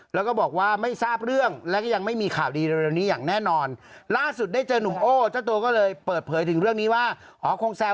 แล้วก็บอกว่าไม่ทราบเรื่องแล้วก็ยังไม่มีข่าวดีเร็วนี้อย่างแน่นอน